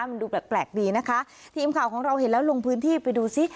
มันดูแปลกแปลกดีนะคะทีมข่าวของเราเห็นแล้วลงพื้นที่ไปดูซิ